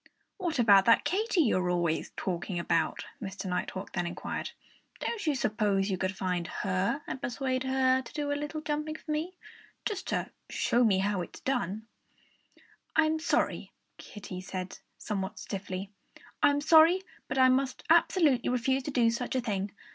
"What about that Katy you're always talking about?" Mr. Nighthawk then inquired. "Don't you suppose you could find her and persuade her to do a little jumping for me just to show me how it's done?" "I'm sorry " Kiddie said somewhat stiffly, "I'm sorry; but I must absolutely refuse to do such a thing.